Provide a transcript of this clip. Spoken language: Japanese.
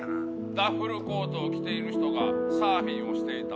「ダッフルコートを着ている人がサーフィンをしていた」